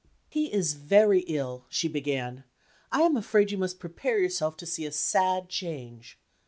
"He is very ill," she began; "I am afraid you must prepare yourself to see a sad change.